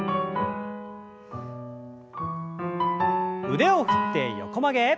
腕を振って横曲げ。